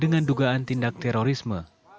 dengan dugaan tindak terorisme